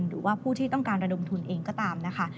หรือว่าผู้ที่ต้องการระดมทุนเองก็ตามนะคะ